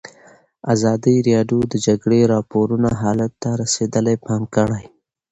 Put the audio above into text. ازادي راډیو د د جګړې راپورونه حالت ته رسېدلي پام کړی.